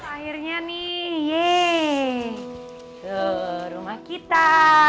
akhirnya nih ke rumah kita